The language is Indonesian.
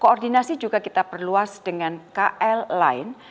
koordinasi juga kita perluas dengan kbri jenderal kbri jenderal dan kjri jenderal